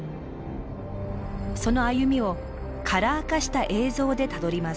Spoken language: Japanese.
その歩みをカラー化した映像でたどります。